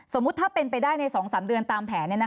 สมมุติถ้าเป็นไปได้ใน๒๓เดือนตามแผน